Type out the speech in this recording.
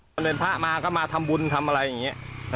มันเป็นพระมาก็มาทำบุญทำอะไรอย่างนี้